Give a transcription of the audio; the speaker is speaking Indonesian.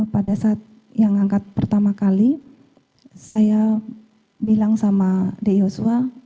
pada saat yang angkat pertama kali saya bilang sama di yosua